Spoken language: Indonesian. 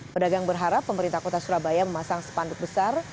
pedagang berharap pemerintah kota surabaya memasang spanduk besar